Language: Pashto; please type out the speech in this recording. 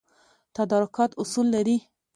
تدارکات اصول لري